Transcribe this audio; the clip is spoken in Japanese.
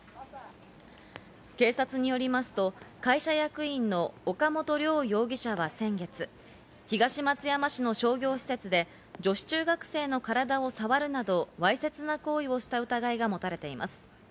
警察によりますと、会社役員の岡本陵容疑者は先月、東松山市の商業施設で女子中学生の体を触るなど、わいせつな行為をした疑いが持たれています。